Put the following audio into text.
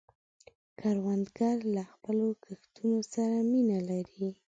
کروندګر له خپلو کښتونو سره مینه لري